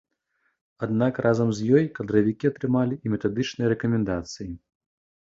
Аднак разам з ёй кадравікі атрымалі і метадычныя рэкамендацыі.